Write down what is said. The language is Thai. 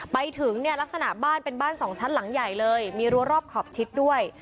ไปถึงเนี่ยลักษณะบ้านเป็นบ้านสองชั้นหลังใหญ่เลยมีรัวรอบขอบชิดด้วย